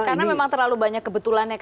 karena memang terlalu banyak kebetulan ya